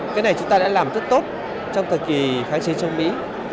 cái này chúng ta đã làm rất tốt trong thời kỳ kháng chiến chống mỹ